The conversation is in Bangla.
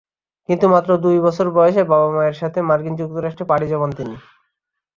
কিন্তু মাত্র দুই বছর বয়সে বাবা-মায়ের সাথে মার্কিন যুক্তরাষ্ট্রে পাড়ি জমান তিনি।